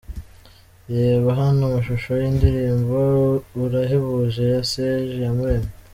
Reba hano amashusho y'indirimbo Urahebuje ya Serge Iyamuremye.